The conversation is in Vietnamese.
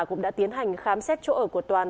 cũng đã tiến hành khám xét chỗ ở của toàn